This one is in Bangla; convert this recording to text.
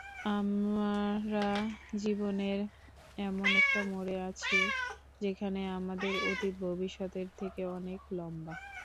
আমারা জীবনের এমন একটা মোড়ে আছি, যেখান আমাদের অতীত ভবিষ্যতের থেকে অনেক লম্বা।